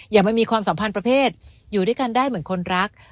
อย่างมันมีความสัมพันธ์ประเภทอยู่ด้วยกันได้เหมือนคนรัก